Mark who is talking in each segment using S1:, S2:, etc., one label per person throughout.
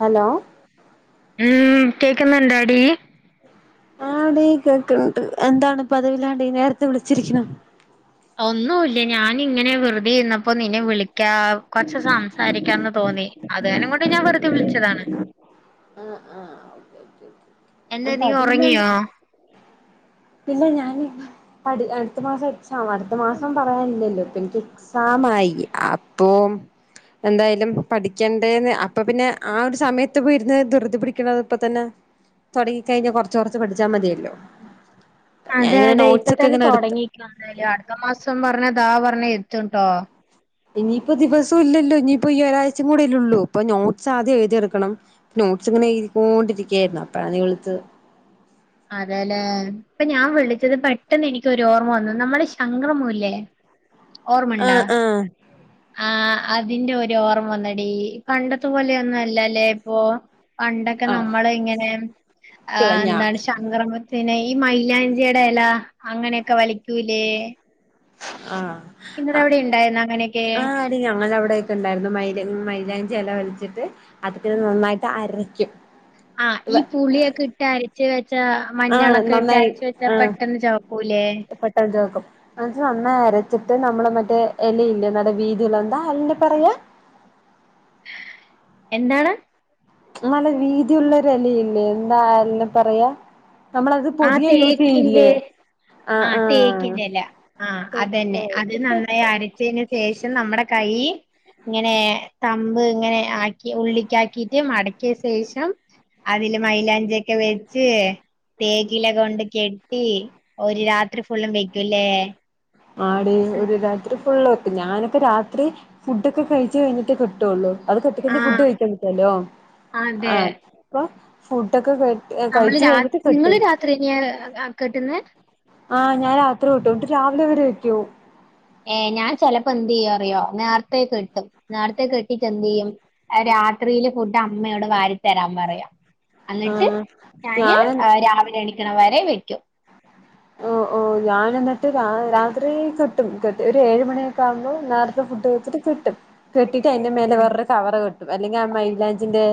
S1: Hello
S2: ഉം കേക്കുന്നുയുണ്ടോടി
S1: ആടീ കേക്കണ്ട് എന്താണ് പദവില്ലാണ്ട് നേരത്തെ വിളിച്ചിരിക്കണം
S2: ഒന്നുമല്ല ഞാനിങ്ങനെ വെറുതെ ഇന്നപ്പോ നിന്നെ വിളിക്കാ കൊറച്ച് സംസാരിക്കാന്ന് തോന്നി അത് തന്നെ കൊണ്ട് ഞാൻ വെറുതെ വിളിച്ചതാണ് എന്താ നീ
S1: പതിവില്ലാണ്ട്
S2: ഉറങ്ങിയോ
S1: ഇല്ല ഞാൻ അടുത്ത മാസം എക്സാം അടുത്ത മാസം പറയാനില്ലല്ലോ എനിക്ക് എക്സാം ആയി അപ്പൊ എന്തായാലും പഠിക്കേണ്ടേന്ന് അപ്പൊ പിന്നെ ആ ഒരു സമയത്ത് പോയിരുന്ന് ധ്യതി പിടി ഇപ്പ തന്നെ തുടങ്ങി കഴിഞ്ഞ കൊറച്ച കുറച്ച് പഠിച്ചാ മതിയല്ലോ
S2: അതെ
S1: ഞാനിങ്ങനെ
S2: അതെ ഇപ്പ
S1: നോട്ട്സ് ഒക്കെ
S2: തന്നെ
S1: ഇങ്ങനെ എടുത്ത്
S2: തുടങ്ങിക്ക അടുത്ത മാസം പറഞ്ഞതാ പറഞ്ഞ എത്തട്ടോ
S1: ഇനിയിപ്പ ദിവസം ഇല്ലല്ലോ ഇനിയിപ്പോ ഈ ഒരാഴ്ച കൂടെയല്ലേ ഉള്ളൂ ഇപ്പൊ നോട്ട്സ് ആദ്യം എഴുതി എടുക്കണം നോട്ട്സ് ഇങ്ങനെ എഴുതിക്കൊണ്ടിരിക്കയായിരുന്നു അപ്പഴാ നീ വിളിച്ചത്
S2: അതെല്ലേ ഇപ്പൊ ഞാൻ വിളിച്ചത് പെട്ടെന്ന് എനിിക്കൊരു ഓർമ്മ വന്നു നമ്മള് ശങ്കരമൂല്ലേ ഓർമ്മുണ്ടാ
S1: ആഹ് ആഹ്
S2: ആ അതിന്റെ ഒരു ഓർമ്മ വന്നടി പണ്ട അത്ത പോലെയൊന്നുംല്ലല്ലേ ഇപ്പൊ പണ്ടൊക്കെ
S1: ആഹ്
S2: നമ്മള ഇങ്ങനെ ആ
S1: പ്ല ഞാ
S2: എന്താണ് ശക്രമത്തിന് ഈ മൈലാഞ്ചി ടെ ഇല അങ്ങനെയൊക്കെ വലിക്കൂലേ
S1: ആ
S2: നിങ്ങളുടെ അവിടെ ഉണ്ടായിരുന്നു അങ്ങനെയൊക്കെ
S1: ആ അടി ഞങ്ങൾ അവിടെയൊക്കെ ഉണ്ടായിരുന്നു മൈലാഞ്ചി മൈലാഞ്ചി ഇല്ല ഒലിച്ചിട്ട് അതൊക്കെത് നന്നായിട്ട് അരയ്ക്കും
S2: ആഹ ഈ പുളിയൊക്കെ ഇട്ട് അരച്ച വെച്ചാ
S1: ആഹ്
S2: മഞ്ഞളൊക്കെ ഇട്ട
S1: നന്നായി
S2: അരച്ച വെച്ചാ
S1: ആഹ്
S2: പെട്ടെന്ന് ചവപ്പൂല ല്ലേ
S1: എന്ന നന്ന അരച്ചിട്ട് നമ്മള് മറ്റേ ഇലയില്ല ന വീതി അറെ പറയാ
S2: എന്താണ്
S1: നല്ല വീതി ഉുള്ള ഒരു അലയില്ലേ എന്താ പറയാ നമ്മളത്
S2: ആ
S1: പതിയ യൂസ് ചെയ്ല്ലേ
S2: തേക്കിന്റെ ആ തേക്കില ആ അതന്നെ അത് നന്നായി അരച്ചതിനന് ശേഷം നമ്മ കാര് ഇന തമ്പ് ഇങ്ങനെ ആക്കി ഉള്ള ആക്കിട്ട് മടക്കിയ ശേഷം അതില് മലാഞ്ചിയൊക്കെ വെച്ച് തേക്കയിലൊക്കെ കൊണ്ട് കെട്ടി ഒരു രാത്രി ഫുള്ളും വെക്കൂല്ലേ
S1: ആടി ഒരു രാത്രി ഫുള് വെക്കും ഞാനൊക്കെ രാത്രി ഫുടൊക്കെ കഴിച്ചച്ച് കഴിഞ്ഞിട്ട കേറ്റുവൊള്ളൂ അത്
S2: ആ
S1: കെട്ടിക്ക ഫുഡ് കഴിക്കാ പറ്റാലോ ആ
S2: അതെ
S1: ഇപ്പൊ ഫുഡൊക്കെ കേ
S2: നമ്മള് രാ നിങ്ങള് രാത്രിന കെട്ടുന്ന
S1: ആ ഞാൻ രാത്രി വിട്ടു ഇട്ട് രാവിലെ വരെ വയ്ക്കോ
S2: ഏ ഞാൻ ചെിലപ്പോ എന്ത് ചെയ്യും അറിയോ നേരത്തെ കെട്ടും നേരത്തെ കെട്ടിട്ട് എന്ത് ചെയ്യും രാത്രിയില് ഫുഡ് അമ്മയോട് വാരിത്തരാൻ പറയാം എന്നിട്ട്
S1: ആഹ്
S2: ഞാന് രാവിലെ എണിക്കണം വരെ വെക്കും
S1: ഓ ഓ ഞാൻ എന്നിട്ട് രാത്രികെട്ടും ഒരു എഴു മണി ുമ്പോ നേരത്തെ ഫുഡ് കഴിച്ചിട്ട് കെട്ടും കെട്ടിട്ട് അതിന്റെ മേലെ
S2: ഉം
S1: വേറൊരു കവറ് കെട്ടും അല്ലെങ്കിൽ ആ മൈലാഞ്ചിന്റെ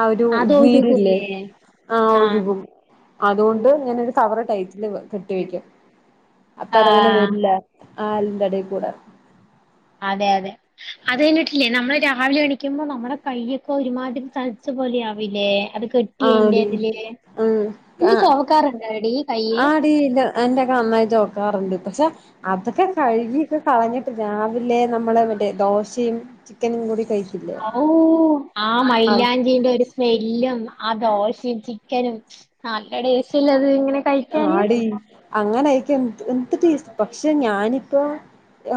S1: ആ ഒരു നീരില്ലേ
S2: അതോരുകൂല്ലേ
S1: ആ്
S2: ആഹ്
S1: ഒഴുകും അതുകൊണ്ട് ഇങ്ങനൊരു കവറടൈറ്റില് വ അപ്പൊ അതങ്ങനെ
S2: ആഹ്
S1: വരില്ല ആ ആലിന്റെടയിൽ കൂടാ
S2: അതെ അതെ അത് കഴിഞ്ഞിട്ടില്ലേ നമ്മള് രാവിലെ എണിക്കുമ്പോ നമ്മുടെ കയ്യൊക്കെ ഒരുമാതിരിം ചലച്ച പോലെ ആവില്ലേ അത് കെട്ടിയതിന്റെ
S1: ആടി
S2: അതില്
S1: ഉം
S2: എനി
S1: ആ
S2: ചോക്കാറുണ്ടോ ടികയ്യ
S1: [unintelligible] കാണാറുണ്ട് പക്ഷെ അതൊക്കെ കഴുകിൊക്കെ കളഞ്ഞിട്ട് രാവിലെ നമ്മള് മറ്റേ ദോ ചെയ്യും
S2: ഓ ആ
S1: അത്
S2: മൈലാഞ്ചിടെ ഒരു സ്മെല്ലും ദോശേഠ ചിക്കൻ നും നല്ല ടേസ്റ്റ് ആല്ലേ അത് കഴിക്കാന്
S1: അടി അങ്ങനൊയിക്ക എന്ത് ടേസ്റ്റേത് പക്ഷെ ഞാനിപ്പോൊ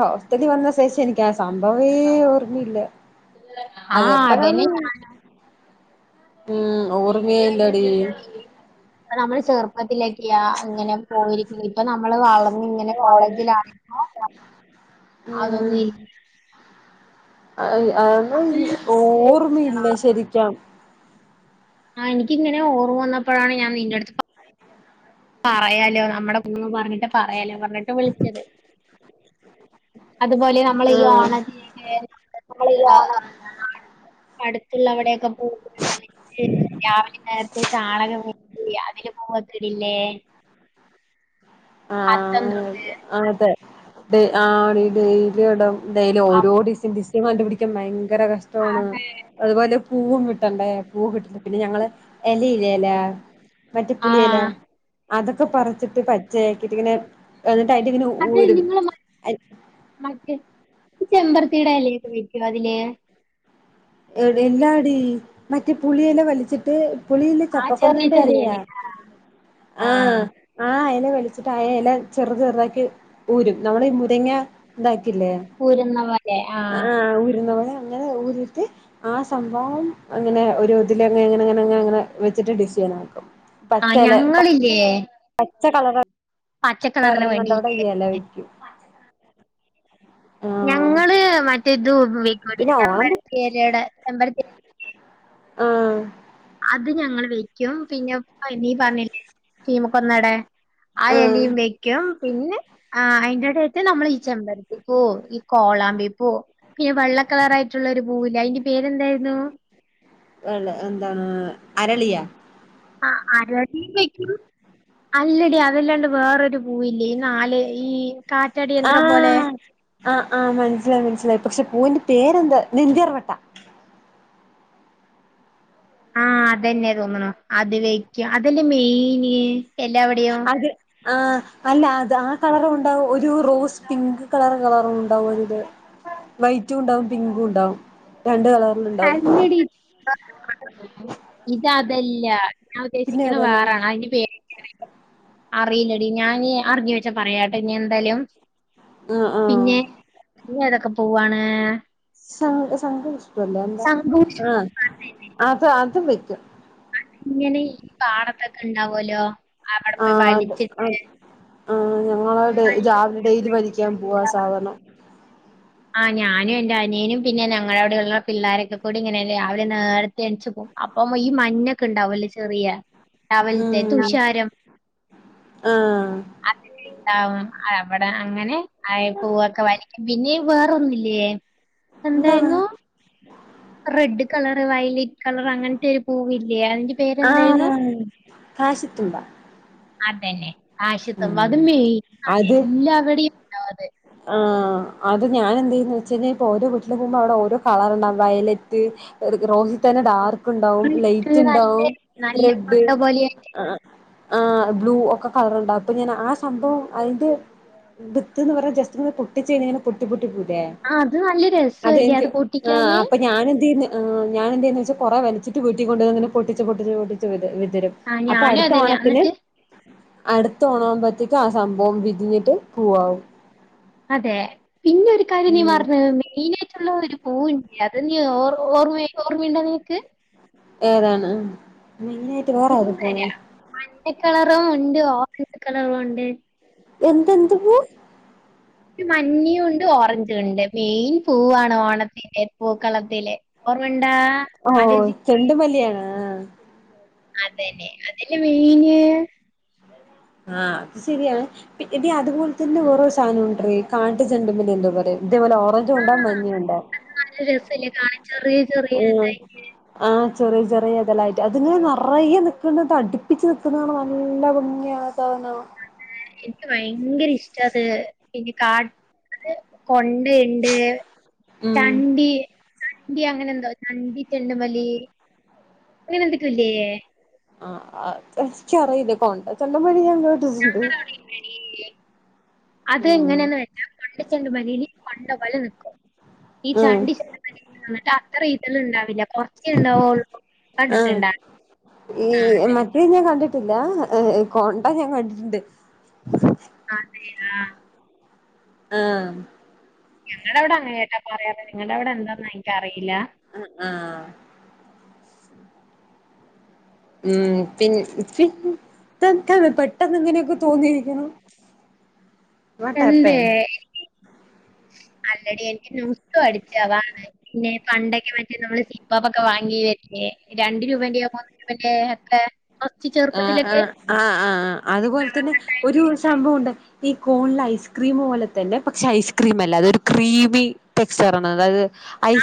S1: ഹോസ്റ്റലി വന്ന ശേഷം എനിക്കാ സംഭവേ ഓർമ്മയിില്ല
S2: ആ അതന്നെ
S1: അതെപ്പഴാന്ന് ഉം ഓർമ്മയല്ല അടി
S2: ചെറുപ്പത്തില ഇങ്ങനെ പോയിരിക്ക ഇപ്പൊ നമ്മള് വളർന്ന ഇങ്ങനെ കോളേജിലാണ്പോ അതൊന്നും ഇല്ല
S1: അന്നും ഓർമ്മയില്ലേ ശരിക്കാം
S2: ആ എനിക്കിങ്ങനെ ഓർമ്മ വന്നപ്പോഴാണ് ഞാൻ നിന്റെറ അടുത്ത് പറയാലോ നമ്മുടെ കുന്ന് പറഞ്ഞിട്ട് പറയാലോ പറഞ്ഞിട്ട് വിളിച്ചത് അതുപോലെ നമ്മൾ ഈ
S1: ഉം
S2: ഓണതിന്നു [inaudible] അടുത്തുള്ള അവിടെൊക്കെ പൂക്കൾ രാവിലെ നേർത്ത ചാണകം പോ അതില് പൂവത്തിടില്ലേ
S1: ആ അതെ ഡ ആണീ ഡെലിട എന്തായലും ഓരോ
S2: അപ്
S1: ഡിസൻ ഡിസ കണ്ടു പിടിക്കാൻ ഭയര കഷ്ടം ഇ
S2: അതെ
S1: അതുപോലെ പൂവും കിട്ടണ്ടേ പൂ കിട്ടുന്നു പിന്നെ ഞങ്ങള് ഇലയിലേലാ മറ്റേ പുളിയലാ
S2: ആഹ്
S1: അതൊക്കെ പറച്ചിട്ട് പച്ചയാക്കിട്ട് ഇങ്ങനെ എന്നിട്ട് അതിന്റെ ഇങ്ങനെ
S2: അത്
S1: ഊരും
S2: നിങ്ങള് മ
S1: [unintelligible]
S2: നറ്റമ്പർത്തിടെ അല്ലേക്കെ വയ്ിക്കോ അതില്േ
S1: എല്ലാടി മറ്റേ പുളിയെല്ലാം വലിച്ചിട്ട് പുളില്ല
S2: ആഹ് ചെറിയ
S1: ചപ്പക്കൊന്നന്റെല്ല
S2: ചെറിയ ഇല ആഹ്
S1: ആ
S2: ആഹ്
S1: ആ വളിച്ചിട്ട ആ ഇല ചെറ ചെറുതാക്കി ഊരും നമ്മളഈ മുരങ്ങ ഇതാക്കി ല്ലേ
S2: ഊരുന്ന പോലെ
S1: ആ
S2: ആഹ്
S1: ഊരുന്ന പോലെ അങ്ങനെ ഊരുറ്റി ആ സംഭവം അങ്ങനെ ഒരു ഒതിലനങ്ങ അങ്ങനെ വെച്ചിട്ട് ഡിഷൻക്കും പച്ച
S2: ആഹ് ഞങ്ങളില്ലേ
S1: പച്ച കളർ
S2: പച്ചക്കളറിന്
S1: വറുന്നുണ്ട് അവിടെ
S2: വേണ്ടിയില്ലേ
S1: ഇല വയ്ക്കും
S2: ഞങ്ങള് മറ്റേ ഇത്
S1: പിന്നെ
S2: ചെമ്പരത്തി ഇല
S1: ആഹ
S2: അത് ഞങ്ങ വെക്കും പിന്നെ ഇ പറഞ്ഞ ീമക്കൊന്നട ആ
S1: ആഹ്
S2: എലിയും വെക്കും പിന്നെ ആ അതിന്റെടയത്ത് നമ്മൾ ഈ ചെമ്പരത്തി പോ ഈ കോ കൊളാമ്പി പൂ പിന്നെ വെള്ള കളർ ആയിട്ടുള്ള ഒരു പൂവല്ല അതിന്റെ പേരെന്തായിരുന്നു
S1: വള്ള എന്താണ് അരളിയാ
S2: അരളി വെക്കും അല്ലടി അതല്ലാണ്ട് വേറൊരു പൂവ ഇല്ലേ നാല് ഈ കാറ്റാടി യന്ത്രം പോലെ
S1: ആഹ് ആഹ് ആഹ് മനസ്സിലായി മനസ്സിലായി പക്ഷെ പൂവിന്റെ പേരെന്താ നെന്തിറവട്ടാ
S2: ആഹ അതെന്നെ തോന്നണ അത് വെക്കും അതല്ലേ മെയിന് എല്ലാവിടെയും
S1: അത് ആ അല്ല അത് ആ കളറ ഉണ്ടാവും ഒരു റോ പിങ്ക് കളർ കളറ ഉണ്ടാവും അതില് വൈറ്റും ഉണ്ടാവും പിങ്കും ഉണ്ടാവും ര
S2: അ ഇത അതല്ല ഞാൻ
S1: പിന്നെ
S2: ഉദ്ദേശിക്കുന്നത്
S1: ഏതാണ്
S2: വേറൊണ് അതിന്റെ പേര് അറിയില്ലടി ഞാൻ അറിഞ്ഞ പ പറയാട്ടെ ഇനി എന്തായാലും
S1: ആഹ് ആഹ്
S2: പിന്നെ ഇ ഏതൊക്കെ പോവാണ്
S1: ല്ല
S2: തങ്കൂസ്
S1: ആഹ അത് അത് വെക്കും
S2: ഇങ്ങനെ ഈ പാടത്തൊക്കെ ഇണ്ടാവല്ലോ അവിടെ പോയി വലിച്ചിട്ട്
S1: ആ ഞങ്ങള രാവിലെ ഡെൽ വലിക്കാൻ പോവാ സാധനം
S2: ആ്ഞാനും എൻന്റെ അനിയനും പിന്നെ ഞങ്ങളുടെ അവിടെയള്ള പിള്ളോരൊക്കെ ൂടി ഇങ്ങനെല്ലേ അവര് നേരത്തെ എണച്ച്ു പോും അപ്പം ഈ മഞ്ഞൊക്കെ ഉണ്ടാവലേ ചെറിയ രാവിലത്തെ തുഷാരം
S1: ആഹ
S2: അ അ അവിടെ അങ്ങനെ ആ പൂവൊക്കെ വരക്കും പിന്നെ വേറൊന്നില്ലേ
S1: എന്താണ്
S2: എന്തായിരുന്നു റെഡ് കളറ് വയലറ്റ് കളർ അങ്ങനത്തെ ഒരു പൂവില്ലേ അതിന്റെ പേരെന്തായിരുന്നു
S1: കാശത്തുമ്പ
S2: അതന്നെ ആശ്യത്തുമ്പ അത് മെയി
S1: അത്
S2: എല്ലവിടെയും ഉണോ അത്
S1: ആ അത് ഞാൻ എന്തന്ന് വെച്ച കഴിഞ്ഞാൽ ഇപ്പൊ ഓരോ വീട്ടില പോകുമ്പോ അവിടെ ഓരോ കളർ ഉണ്ടാവ വയലറ്റ് റോഹിത് തന്നെ ഡാർക്ക് ഉണ്ടാവും
S2: ഇത്
S1: ലൈറ്റ്
S2: നല്ല
S1: ഉണ്ടാവും
S2: നല്ല
S1: റെഡ്
S2: മുട്ട പോലെ
S1: ആഹ ബ്ലൂ ഒക്കെ കളറുണ്ടാവും അപ്പൊ ഞാൻ ആ സംഭവം അതിന്റെ വിത്ത് എന്ന് പറഞ്ഞ ജസ് പൊട്ടിച്ചനെ പൊട്ടി പൊട്ടി പോല്ല
S2: ആ അത് നല്ല
S1: അത
S2: രസമല്ലേ അത്
S1: ആ
S2: പൊട്ടിക്കാന്
S1: അപ്പൊ ഞൻ എന്തന്ന് ഞാൻെന്തേെന്നെന്ന് വെച്ചാൽ കുറെ വലച്ചിട്ട് കീട്ടിക്കൊണ്ട്ങ്ങനെ പൊട്ടച്ച് പൊട്ടിച്ചച്ച് പൊട്ടച്ച് വി വിതരും
S2: ആ
S1: അപ്പൊ
S2: ഞാനും
S1: അടുത്ത
S2: അതന്നെ
S1: ഓണത്തിന്
S2: എന്നിട്ട്
S1: അടുത്തോണാവുമ്പോഴത്തേക്കും ആ സംഭവം വിരിഞ്ഞിട്ട് പൂവാവും
S2: അതേ പിന്നൊരു കാര്യം നീ
S1: ഉം
S2: പറഞ്ഞത് മെയിനായിട്ടുള്ള ഒരു പൂവ് അത് നി ഓ ഓർമ്മ ഓർമ്മയ്ണ്ടോ നിനക്ക്
S1: ഏതാണ് മെയ്നായിട്ട് വേറെ അത് പോല
S2: പച്ച കളറും ഉണ്ട് ഓറഞ്ച് കളറും ഉണ്ട്
S1: എന്തെന്ത് പൂ
S2: ഒരു മഞ്ഞും ഉണ്ട് ഓറഞ്ച ണ്ട് മെയിൻ പൂവാണ് ഓണത്തി ല്ല പൂക്കളത്തില്ലേ ഓർമ്മണ്ടാ അലോജികി.
S1: ആഹ
S2: അതന്നെ അതല്ലെ മെയിന്.
S1: ആഹ് അത് ശരിയാണ് ഇനി അതുപോലെ തന്നെ ഓരോ സാധന ഉണ്ടറി കാട്ടു ചെണ്ടപിനെ എന്താ പറയാ അതേപോലെ ഓറഞ്ച് കൊണ്ട മഞ്ഞിണ്ടാവും.
S2: നല്ല രസല്ലേ കാണാൻ ചെറിയ ചെറിയ
S1: ഉം
S2: ഇതായിട്ട്
S1: ആ ആ ചെറിയ ചെറിയ ഇതലായിട്ട് അതിങ്ങനെ നിറയെ നക്കത് അടിപ്പിച്ചച്ച് നക്കുന്നതാണ് നല്ല ഭഞ്ഞിയ.
S2: എനിക്ക്
S1: [unintelligible]
S2: ഭയങ്കര ഇഷ്ടത് പിന്നെ കാട് കൊണ്ട ണ്ട്
S1: ഉം
S2: ചണ്ടി ദി അങ്ങനെ എന്തോ ചണ്ടി ചെണ്ടുമലി അങ്ങനെ എന്തൊക്കല്ലേയ്.
S1: ആ ക്കറിയില്ല കൊണ്ട ചെന്നാപണിയ.
S2: ഞങ്ങടെവടെ ഇല്ലടി അത്
S1: ഉം
S2: എങ്ങനെയന്നവചാ [unintelligible] പണ്ട പോലെ നിക്കും ഈ
S1: ഉം
S2: ചണ്ടി ചിട്ട് അത്ര ഇതല ഉണ്ടാവില്ല കുറച്ചേ ഉണ്ടാവുള്ളൂ
S1: ആഹ
S2: കണ്ടിട്ടുണ്ടാ
S1: ഈ മറ്റേ ഞാൻ കണ്ടിട്ട. കണ്ടിട്ടില്ല കോണ്ട ഞാൻ കണ്ടിട്ടുണ്ട്
S2: അതെയാ.
S1: ആഹ
S2: ഞങ്ങടെവടെ അങ്ങനക്കാ പറയുന്നെ നിങ്ങളടെ വിടെ എന്താന്ന് എനിക്കറിയില്ല.
S1: ആഹ ആഹ് ഉം പിന്നെ ഇതെന്താണ് പെട്ടെന്ന് എങ്ങനെയൊക്കെ തോന്നിയിരിന്നു. വാട്ട്
S2: എന്തേ
S1: ഹാപ്പെൻഡ്
S2: അല്ലടി എനിക്ക് നൊസ്റ്റു അടിച്ചഅതാണ് പിന്നെ പണ്ടൊക്കെ മറ്റേ നമ്മള്. സിപ്പപ്പൊക്കെ വാങ്ങി തരേ രണ്ട രൂപന്റെയോ മൂന്ന് രൂപന്റെ ഒക്കെ കു ചെറുപ്പത്തിലൊക്കെ.
S1: ആഹ ആഹ് അതുപോലെ തന്നെ ഒരു സംഭവുണ്ടായി ഈ കോണിൽ ഐസ്ക്രീം പോലെ തന്നെ പക്ഷെ ഐസ് ക്രീം അല്ല അതൊരു ക്രീമി ടെക്സ്ചറ ആണ് അതായത്.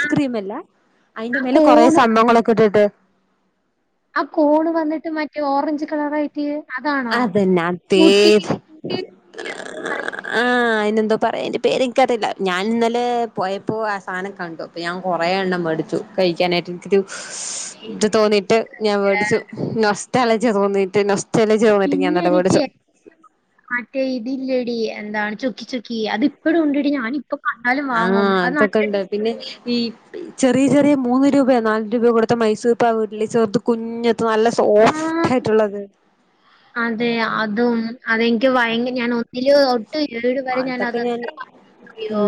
S2: ആ
S1: അല്ലേ അതിന്റെ മേല കൊറെ
S2: കോണ്
S1: സംഭവങ്ങളൊക്കെ ഇട്ടിട്ട്.
S2: ആ കോണ് വന്നിട്ട് മറ്റേ ഓറഞ്ച് കളർ ആയി
S1: അതന്നെ അ പേര് ആഹ് അതിനെതോ പറ എൻ്റെ പേര് എനിക്റിയില്ല ഞാനിന്നലെ പോയപ്പോ ആ സാധനം കണ്ടു അപ്പൾ ഞാൻ കുറെ എണ്ണം മേടിച്ചു. കഴിക്കാനായിട്ട് എനിക്കത് ഇത് തോന്നിയിട്ട് ഞാൻ വേടിച്ചു നൊസ്റ്റാൽജിയ തോന്നീട്ട് നൊസ് ചെലേച്ചി തോന്നിട്ട് ഞാൻ
S2: പിന്നെ
S1: പേടിച്ചു
S2: ത്ഇല്ലേടി എന്താണ് ചുക്കി ചുക്കി കി അത് ഇപ്പഴും ഉണ്ടെടി ഞാനിപ്പ കണ്ടാലും
S1: ആഹ്
S2: വാങ്ങും അത് നല്ല
S1: അതൊക്കെണ്ട് പിന്നെ ഈ പി ചെറിയ ചെറിയ മൂന്ന് രൂപയോ നാല് രൂപയോ കൊടുത്ത മൈസൂർ പ വീട്ട്ല ചെപ്പ് കുഞ്ഞത്ത് നല്ല സോഫ്റ്റ് ആയിട്ടുള്ളത്
S2: അതേ അതും അതെനിക്ക് ഭയങ്ക ഞാൻ ഒന്നില് തൊട്ട് ഏഴ് വരെ ഞാൻ
S1: അതൊക്കെ
S2: അത് എത്ര വാങ്ങിയെന്നറിയോ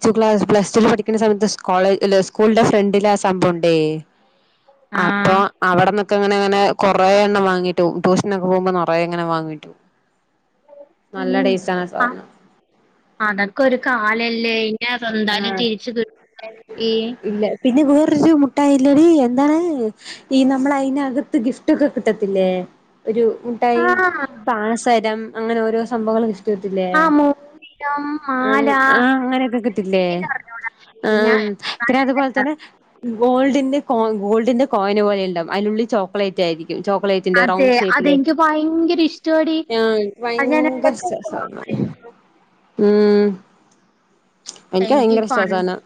S1: ച്ച് ക്ലാസ് പ്ലസ് ടൂല് പഠിക്കുന്ന സമയത്ത് സ് കോളേജ് സ്കൂളിന്റെ ഫ്രണ്ടില് ആ സംഭവുണ്ടേ
S2: ആ
S1: അപ്പോ അവിടൊന്നൊക്കെ അങ്ങനെങ്ങനെ കൊറേ എണ്ണം വാങ്ങിട്ടു പോവും ട്യൂഷ്നൊക്കെ പോകുമ്പോ നറയെ എങ്ങനെ വാങ്ങി
S2: ഉം
S1: ആണ് ആ
S2: അഹ്
S1: സാധനം
S2: അതക്കൊരു കാലല്ലേ ഇനി അത് എന്താലും
S1: ആഹ്
S2: തിരിച്ചു കിട്ടി ല്ലേ
S1: ഇല്ല പിന്നെ വേറൊരു മുട്ടായില്ലെടീ എന്താ ണ് ഈ നമ്മൾ അയിന ക്കത്ത് ഗിഫ്റ്റൊക്കെ കിട്ടത്തില്ലേ ഒരു മുട്ടായി
S2: ആഹ്
S1: പാർ തരം അങ്ങനെ ഓരോ സംഭവങ്ങള് ഗിഫ്റ്റ് കിട്ടില്ലേ
S2: ആഹ് മോതിരം
S1: ഉം
S2: മാല
S1: ആഹ അങ്ങനെയൊക്കെ കിട്ടില്ലേ
S2: എനിക്കറിഞ്ഞൂടാ
S1: ആ
S2: ഞാ
S1: പിന്നെ അതുപോലെ തന്നെ ഗോൾഡിന്റെ കോ ഗോൾഡിന്റെ കോയിന് പോലെ ഇണ്ടാവും അയിനുള്ളിൽ ചോക്ലേറ്റ് ആയിരിക്കും ചോക്ലേറ്റിന്റെ
S2: അതെ
S1: റൗണ്ട് ഷേയ്പ്പില്
S2: അതെനിക്ക് ഭയങ്കര ഇഷ്ടാടി
S1: ആ ഇൻക്ക്
S2: അത് ഞാൻ
S1: ഭയങ്കര
S2: ഇടക്ക്
S1: ഇഷ്ടാ സാധനം ഉം എൻക്ക്
S2: എനിക്ക്
S1: ഭയങ്കരഷ്ട്ടാ
S2: പൺ
S1: ആ സാനം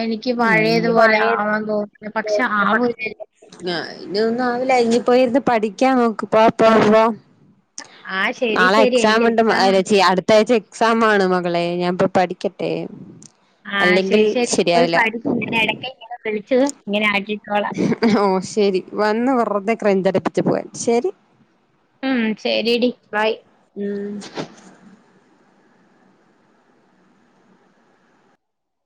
S2: എനിക്ക്
S1: എനിക്ക്
S2: പഴയതുപോലെ ആവാൻ തോന്നുന്നു
S1: പയേതുണ്ട്
S2: പക്ഷെ ആവൂലല്ലോ
S1: ആ ഇതൊന്നും ആവില്ല ഇനിപ്പര്ന്ന് പഠിക്കാൻ നോക്ക് പോ പോ പോ
S2: ആഹ് ശരി
S1: നാളെ
S2: ശരി എനിക്ക്
S1: എക്സാമ്ണ്ട്
S2: എക്സാം
S1: യേച്യേ അടുത്താഴ്ച എക്സാമാണ് മകളെ ഞാൻ പിറ് പഠിക്കട്ടെ
S2: ആഹ
S1: അല്ലെങ്കിൽ
S2: ശരി ശരി പോയി
S1: ശരിയാവില്ല
S2: പഠി ഇങ്ങനെ എടക്ക് ഇങ്ങനെ വിളിച്ച് ഇങ്ങനെ ആക്കിക്കൊളാം
S1: ഓ ശെരി വന്ന് വെറുതെ ക്രഞ്ചടിപ്പിച്ച് പോവാ ശെരി
S2: ഉം ശരി ഡി ബൈ
S1: ഉം